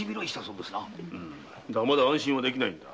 まだ安心はできないんだ。